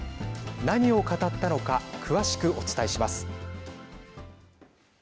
何を語ったのか詳しくお伝えします。